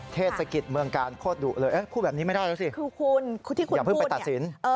เทศกิจเมืองกาลโคตรดุเลยพูดแบบนี้ไม่ได้แล้วสิ